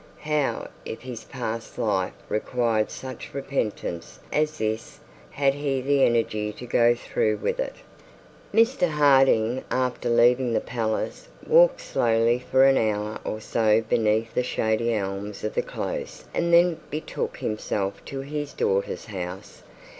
How if his past life required such repentance as this? had he the energy to go through with it? Mr Harding after leaving the palace, walked slowly for an hour or so beneath the shady elms of the close, and then betook himself to his daughter's house.